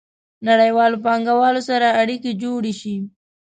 نړیوالو پانګوالو سره اړیکې جوړې شي.